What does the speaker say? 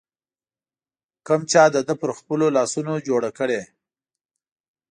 کوم چا د ده پر خپلو لاسونو جوړه کړې